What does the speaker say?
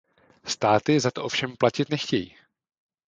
Státy za to ovšem platit nechtějí.